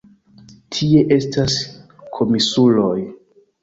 Tie estas komisuroj!